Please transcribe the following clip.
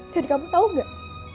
dan kamu tau nggak